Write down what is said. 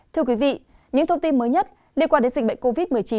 thưa quý vị những thông tin mới nhất liên quan đến dịch bệnh covid một mươi chín